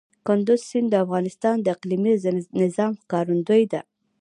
کندز سیند د افغانستان د اقلیمي نظام ښکارندوی ده.